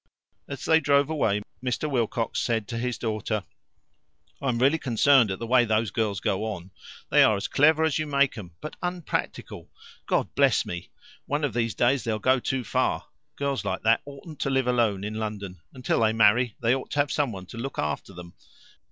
As they drove away, Mr. Wilcox said to his daughter: "I am really concerned at the way those girls go on. They are as clever as you make 'em, but unpractical God bless me! One of these days they'll go too far. Girls like that oughtn't to live alone in London. Until they marry, they ought to have someone to look after them.